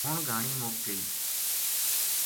ہن گھانی مُک گئی